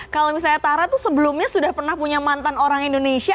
kalau misalnya tara tuh sebelumnya sudah pernah punya mantan orang indonesia